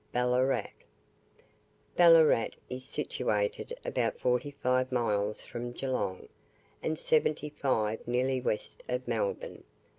BALLARAT Ballarat is situated about forty five miles from Geelong, and seventy five nearly west of Melbourne.